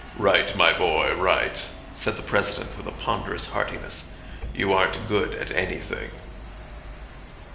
"Right, my boy, right," said the President with a ponderous heartiness, "you aren't good at anything."